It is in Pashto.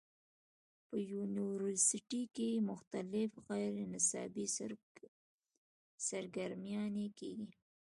پۀ يونيورسټۍ کښې مختلف غېر نصابي سرګرميانې کيږي